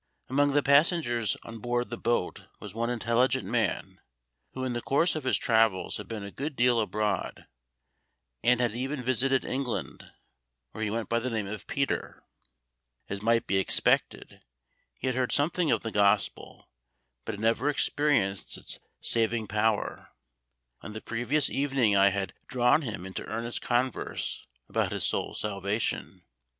Among the passengers on board the boat was one intelligent man, who in the course of his travels had been a good deal abroad, and had even visited England, where he went by the name of Peter. As might be expected, he had heard something of the Gospel, but had never experienced its saving power. On the previous evening I had drawn him into earnest converse about his soul's salvation.